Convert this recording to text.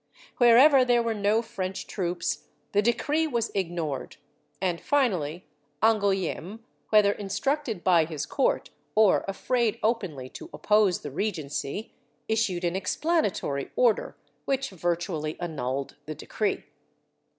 Wherever there were no French troops the decree w^as ignored and finally Angouleme, whether instructed by his court or afraid openly to oppose the Regency, issued an explanatory order, wliich virtually annulled the decree.